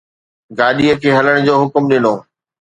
گاڏيءَ کي هلڻ جو حڪم ڏنو